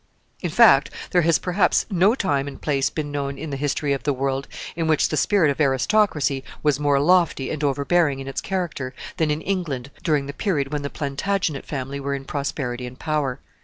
] In fact, there has, perhaps, no time and place been known in the history of the world in which the spirit of aristocracy was more lofty and overbearing in its character than in England during the period when the Plantagenet family were in prosperity and power.